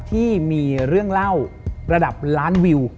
ที่มีเรื่องเล่าระดับล้านวิว